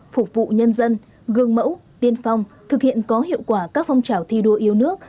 phục vụ nhân dân gương mẫu tiên phong thực hiện có hiệu quả các phong trào thi đua yêu nước